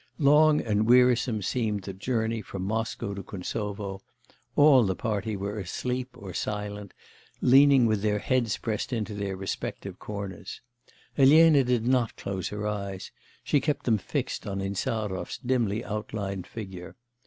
Long and wearisome seemed the journey from Moscow to Kuntsovo; all the party were asleep or silent, leaning with their heads pressed into their respective corners; Elena did not close her eyes; she kept them fixed on Insarov's dimly outlined figure.